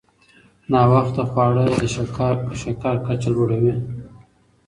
ناوخته خواړه د شکر کچه لوړوي.